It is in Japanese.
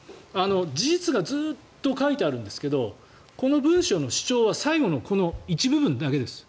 事実がずっと書いてあるんですけどこの文章の主張は最後のこの一部分だけです。